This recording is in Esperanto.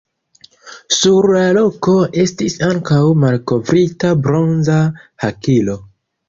Sur la loko estis ankaŭ malkovrita bronza hakilo.